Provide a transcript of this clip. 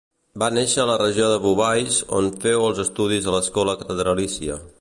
Va néixer a la regió de Beauvais, on féu els estudis a l'escola catedralícia.